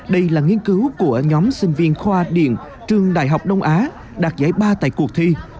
đây là nghiên cứu của nhóm sinh viên khoa điện trường đại học đông á đạt giải ba tại cuộc thi